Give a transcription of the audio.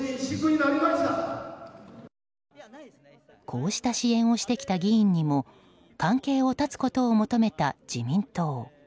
こうした支援をしてきた議員にも関係を断つことを求めた自民党。